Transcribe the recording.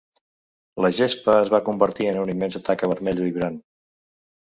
La gespa es va convertir en una immensa taca vermella vibrant.